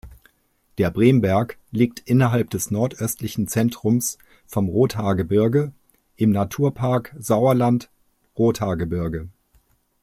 Der Bremberg liegt innerhalb des nordöstlichen Zentrums vom Rothaargebirge im Naturpark Sauerland-Rothaargebirge.